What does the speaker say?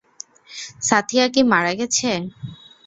সাথ্যীয়া কি মারা গেছে?